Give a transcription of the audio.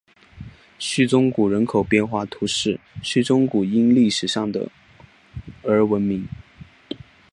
叙宗谷人口变化图示叙宗谷因历史上的而闻名。